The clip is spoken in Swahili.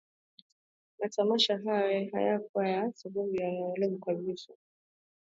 Matamasha hayo hufanywa kwa sababu maalumu kabisa